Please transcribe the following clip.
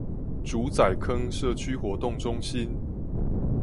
竹仔坑社區活動中心